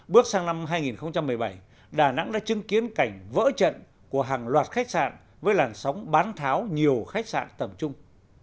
bước sang năm hai nghìn một mươi bảy đà nẵng đã chứng kiến cảnh vỡ trận của hàng loạt khách sạn với làn sóng bán tháo nhiều khách sạn tầm trung